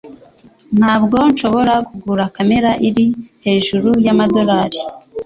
Ntabwo nshobora kugura kamera iri hejuru yamadorari .